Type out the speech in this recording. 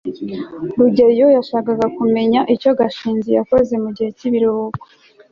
rugeyo yashakaga kumenya icyo gashinzi yakoze mugihe cyibiruhuko